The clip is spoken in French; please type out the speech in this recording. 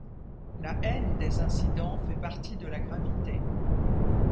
La haine des incidents fait partie de la gravité.